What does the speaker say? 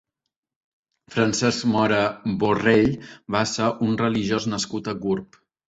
Francesc Mora Borrell va ser un religiós nascut a Gurb.